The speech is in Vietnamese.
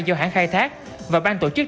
do hãng khai thác và ban tổ chức